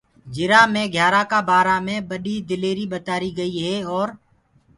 جرآ مي گھِيآرآ ڪآ بآرآ مي بڏيٚ دليريٚ ٻتآريٚ گئيٚ هي اور